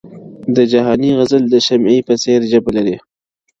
د جهاني غزل د شمعي په څېر ژبه لري!!